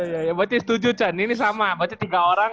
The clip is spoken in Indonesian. ya ya baca setuju can ini sama baca tiga orang